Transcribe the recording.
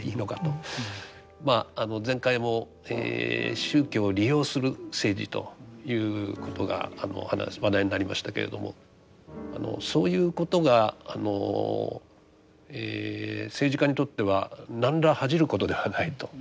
まあ前回も宗教を利用する政治ということが話題になりましたけれどもそういうことが政治家にとっては何ら恥じることではないと。